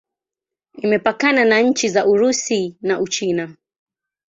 Imepakana na nchi za Urusi na Uchina.